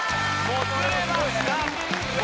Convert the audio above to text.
もつれました！